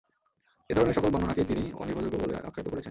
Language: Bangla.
এ ধরনের সকল বর্ণনাকেই তিনি অনির্ভরযোগ্য বলে আখ্যায়িত করেছেন।